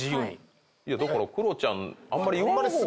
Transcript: だからクロちゃんあんまり言わん方が。